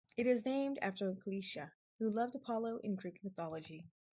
It is named after Clytia, who loved Apollo in Greek mythology.